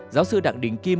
giáo sư đặng đình kim